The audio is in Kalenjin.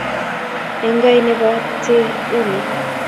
Enkai nabo te uni